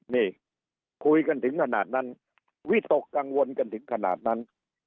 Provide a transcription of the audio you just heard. นี่คุยกันถึงขนาดนั้นวิตกกังวลกันถึงขนาดนั้น